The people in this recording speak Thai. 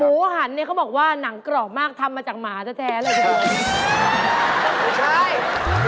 หมูหันก็บอกว่านังกรอบมากทำมาจากหมาสะท้ายเลยครับ